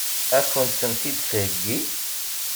Ad kent-tent-id-theggi?